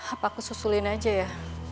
apa aku susulin aja ya